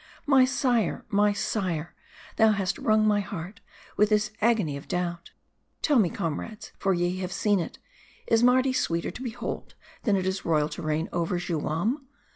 My sire ! my sire ! thou hast wrung my heart with this agony of doubt. Tell me, comrades, for ye have seen it, is Mardi sweeter to behold, than it is royal to reign over Juam